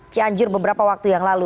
cianjur beberapa waktu yang lalu